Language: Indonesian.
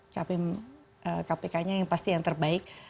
capim kpk nya yang pasti yang terbaik